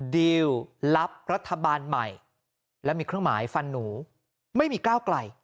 ดีลรับรัฐบาลใหม่และมีเครื่องหมายฟันหนูไม่มีก้าวไกล